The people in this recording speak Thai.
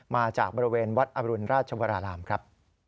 มาจากบริเวณวัดอรุณราชวรารามครับ